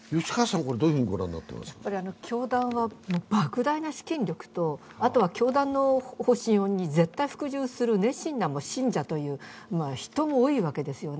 教団はばく大な資金力と、あとは教団の方針に絶対に服従する熱心な信者という人も多いわけですよね。